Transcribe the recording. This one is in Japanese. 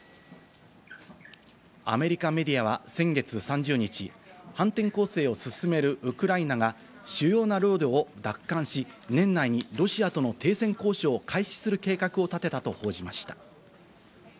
アメリカメディアは先月３０日、反転攻勢を進めるウクライナが主要な領土を奪還し、年内にロシアとの停戦交渉を開始する計画を立てたと報じました。